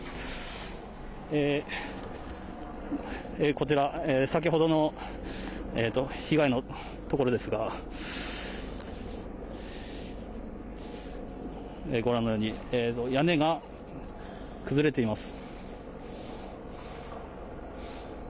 こちら、先ほどの被害の所ですが、ご覧のように、屋根が崩れています。